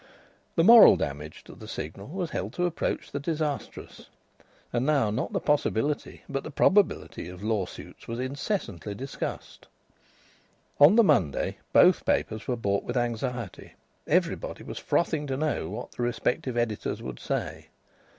The moral damage to the Signal was held to approach the disastrous. And now not the possibility but the probability of law suits was incessantly discussed. On the Monday both papers were bought with anxiety. Everybody was frothing to know what the respective editors would say.